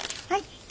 はい。